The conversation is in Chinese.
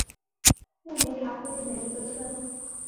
穆梅卡附近的一个村。